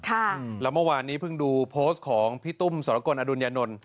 แล้วเมื่อวานนี้เพิ่งดูโพสต์ของพี่ตุ้มสรกลอดุญญานนท์